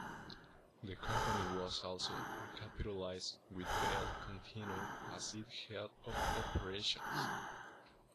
The company was also recapitalized, with Vail continuing as its head of operations.